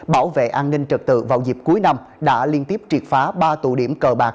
bảo vệ an ninh trật tự vào dịp cuối năm đã liên tiếp triệt phá ba tụ điểm cờ bạc